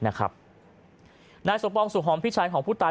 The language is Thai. นายสมปองสุหอมพี่ชายของผู้ตาย